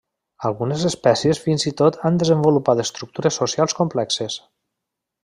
Algunes espècies fins i tot han desenvolupat estructures socials complexes.